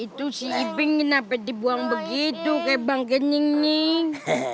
itu si iping kenapa dibuang begitu kaya bang gening ning